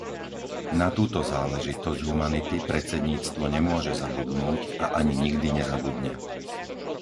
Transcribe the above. Na túto záležitosť humanity predsedníctvo nemôže zabudnúť a ani nikdy nezabudne.